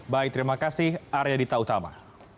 baik terima kasih arya dita utama